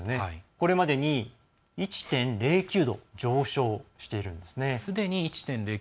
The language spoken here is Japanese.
これまでに、１．０９度上昇しているんですね。